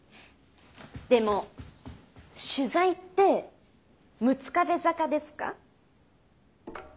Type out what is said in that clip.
でも取材って「六壁坂」ですか？